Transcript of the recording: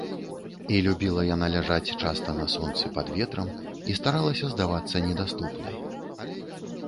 І любіла яна ляжаць часта на сонцы пад ветрам і старалася здавацца недаступнай.